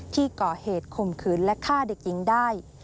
ที่ก่อเหตุข่มขืนและฆ่าเด็กหญิงได้